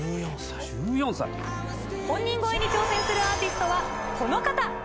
本人超えに挑戦するアーティストはこの方。